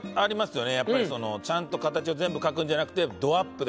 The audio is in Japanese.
ちゃんと形を全部描くんじゃなくて。